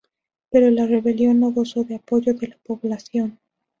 Pero la rebelión no gozó de apoyo de la población.